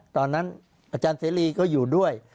ตอนนั้นอาจารย์เสรีก็อยู่ด้วย